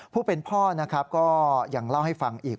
ผู้เป็นพ่อนะครับก็ยังเล่าให้ฟังอีก